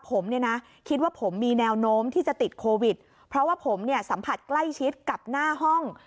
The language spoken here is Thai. ผมเนี่ยนะคิดว่าผมมีแนวโน้มที่จะติดโควิดเพราะว่าผมเนี่ยสัมผัสใกล้ชิดกับหน้าห้อง